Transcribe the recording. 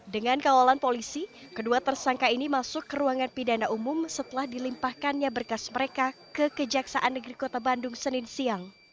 dengan kawalan polisi kedua tersangka ini masuk ke ruangan pidana umum setelah dilimpahkannya berkas mereka ke kejaksaan negeri kota bandung senin siang